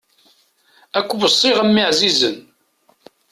Ad k-weṣṣiɣ, a mmi ɛzizen!